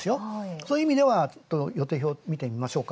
そういう意味では予定表を見て見ましょう。